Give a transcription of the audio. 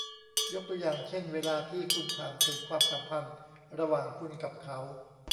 ยกตัวอย่างเช่น เวลาที่คุณถามถึงความสัมพันธ์ระหว่างคุณกับเขา